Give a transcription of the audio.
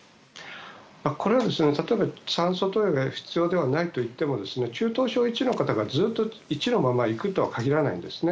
これは例えば、酸素投与が必要ではないといっても中等症１の方がずっと１のままいくとは限らないんですね。